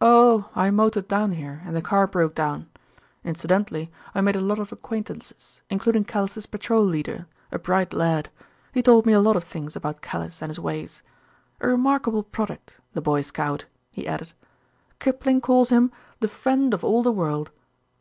"Oh! I motored down here, and the car broke down. Incidentally I made a lot of acquaintances, including Callice's patrol leader, a bright lad. He told me a lot of things about Callice and his ways. A remarkable product the boy scout," he added. "Kipling calls him 'the friend of all the world.'"